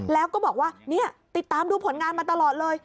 แล้วก็บอกว่าเนี่ยติดตามดูผลงานมาตลอดเลย